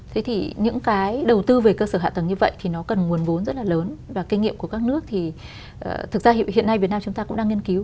thế thì những cái đầu tư về cơ sở hạ tầng như vậy thì nó cần nguồn vốn rất là lớn và kinh nghiệm của các nước thì thực ra hiện nay việt nam chúng ta cũng đang nghiên cứu